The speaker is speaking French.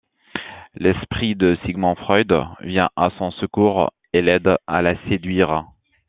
L'esprit de Sigmund Freud vient à son secours, et l'aide à la séduire.